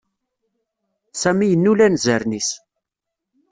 Sami yennul anzaren-is.